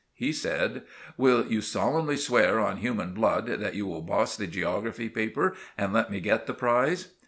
He said— "Will you solemnly swear on human blood that you will boss the geography paper and let me get the prize?"